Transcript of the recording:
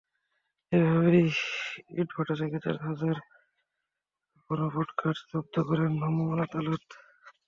এসব ইটভাটা থেকে চার হাজার ঘনফুট কাঠ জব্দ করেন ভ্রাম্যমাণ আদালত।